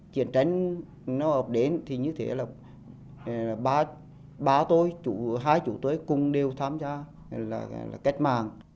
chiến tranh nó đến thì như thế là ba tôi hai chú tôi cùng đều tham gia kết mạng